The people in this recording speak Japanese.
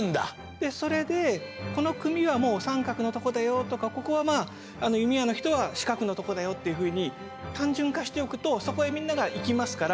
でそれでこの組はもう三角のとこだよとかここはまあ弓矢の人は四角のとこだよっていうふうに単純化しておくとそこへみんなが行きますから。